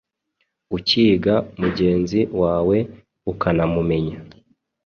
ukiga mugenzi wawe ukamumenya